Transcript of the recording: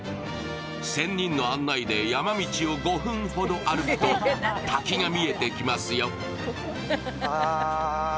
仙人の案内で山道を５分ほど歩くと滝が見えてきますよ。